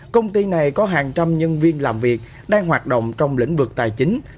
công ty này có hàng trăm nhân viên làm việc đang hoạt động trong lĩnh vực tài chính